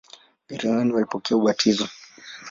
Gerezani walipokea ubatizo.